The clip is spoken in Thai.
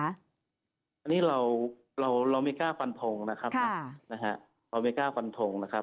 อันนี้เราเราไม่กล้าฝันถงนะครับ